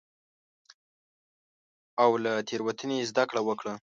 او له تېروتنې زدکړه وکړه.